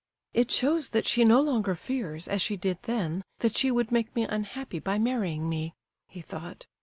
"It shows that she no longer fears, as she did then, that she would make me unhappy by marrying me," he thought.